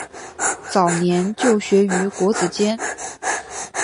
早年就学于国子监。